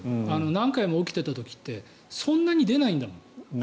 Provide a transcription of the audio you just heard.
何回も起きていた時ってそんなに出ないんだもん。